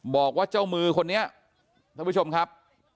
บอกว่าเจ้ามือคนนี้ท่านผู้ชมครับ